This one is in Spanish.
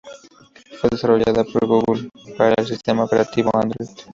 Fue desarrollada por Google para el sistema operativo Android.